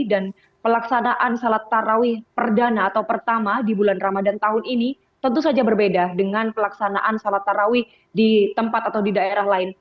dan pelaksanaan sholat tarawih perdana atau pertama di bulan ramadan tahun ini tentu saja berbeda dengan pelaksanaan sholat tarawih di tempat atau di daerah lain